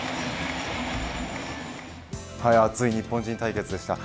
熱い日本人対決でした。